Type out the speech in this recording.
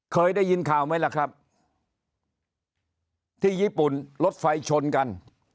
เคยได้ยินข่าวไหมล่ะครับที่ญี่ปุ่นรถไฟชนกัน